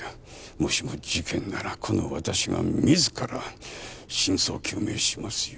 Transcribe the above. もしも事件ならこの私が自ら真相究明しますよ。